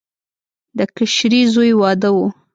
د کشري زوی واده و.